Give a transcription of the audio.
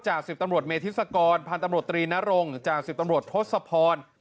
จาก๑๐ตำรวจเมธิสกรพันตำรวจตรีณรงษ์จาก๑๐ตำรวจพลสพร